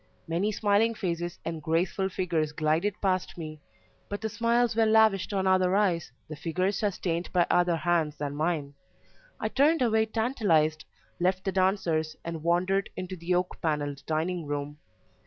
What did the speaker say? Many smiling faces and graceful figures glided past me, but the smiles were lavished on other eyes, the figures sustained by other hands than mine. I turned away tantalized, left the dancers, and wandered into the oak panelled dining room.